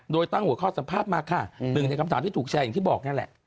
โดยตั้งหัวข้อสัมภาษณ์มาค่ะหนึ่งในคำถามที่ถูกแชร์อย่างที่บอกนั่นแหละ